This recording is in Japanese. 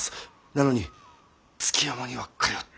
なのに築山には通っておられる。